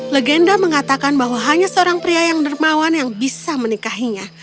legenda mengatakan bahwa hanya seorang pria yang dermawan yang bisa menikahinya